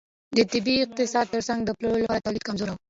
د طبیعي اقتصاد ترڅنګ د پلور لپاره تولید کمزوری و.